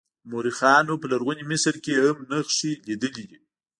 مورخانو په لرغوني مصر کې هم نښې لیدلې دي.